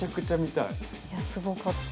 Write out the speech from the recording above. いやすごかった。